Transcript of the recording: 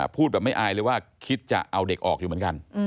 พูดแบบไม่อายเลยว่าคิดจะเอาเด็กออกอยู่เหมือนกัน